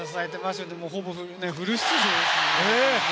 ほぼフル出場ですもんね。